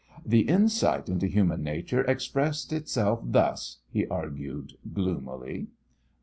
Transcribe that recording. "The insight into human nature expresses itself thus," he argued, gloomily.